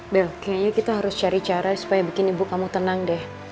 bel kayaknya kita harus cari cara supaya bikin ibu kamu tenang deh